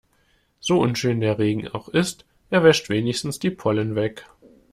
So unschön der Regen auch ist, er wäscht wenigstens die Pollen weg.